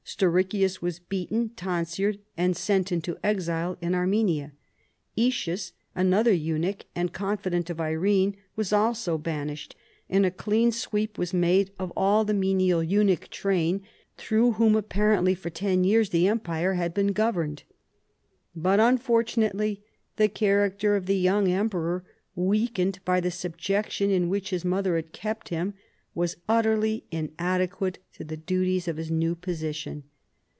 Stauracius was beaten, ton sured and sent into exile in Armenia. Aetius, an other eunuch and confidant of Irene, wa§ also ban ished, and a clean sweep was made of all the menial RELATIONS WITH THE EAST. 235 eunuch train, through whom apparently for ten years the empire had been governed. But, unfortunate!}' , the character of the young emperor, Aveakened by the subjection in which his mother had kept him, was utterly inadequate to the duties of his new position.